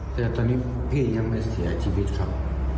แต่ตอนนี้พี่ยังไม่เสียชีวิตครับ